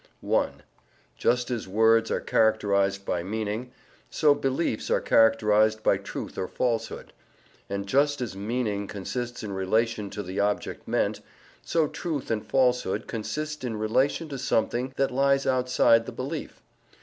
(1) Just as words are characterized by meaning, so beliefs are characterized by truth or falsehood. And just as meaning consists in relation to the object meant, so truth and falsehood consist in relation to something that lies outside the belief.